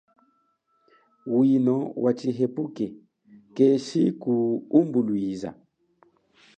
Wino wa tshihepuke keshi kuwimbulwiza.